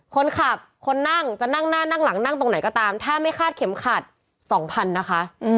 คนขับคนนั่งจะนั่งหน้านั่งหลังนั่งตรงไหนก็ตามถ้าไม่คาดเข็มขัด๒๐๐๐นะคะ